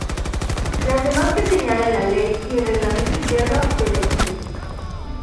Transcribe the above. Las demás que señalen la ley y el reglamento interno del ejido.